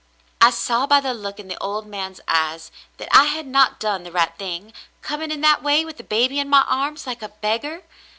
"I saw by the look in the old man's eyes that I had not done the right thing, coming in that way with a baby in my arms, like a beggar.